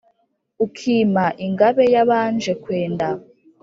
Ukima Ingabe yabanje kwenda !